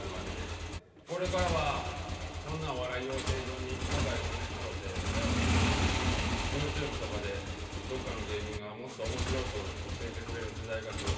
これからはこんなお笑い養成所に高い金払うて通わんでもＹｏｕＴｕｂｅとかでどっかの芸人がもっと面白く教えてくれる時代が来ると思っています。